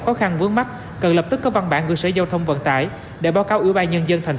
khó khăn vướng mắt cần lập tức có văn bản gửi sở giao thông vận tải để báo cáo ủy ban nhân dân thành